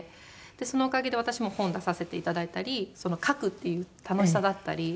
そのおかげで私も本を出させていただいたり書くっていう楽しさだったり。